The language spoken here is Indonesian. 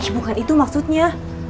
bukan itu maksudnya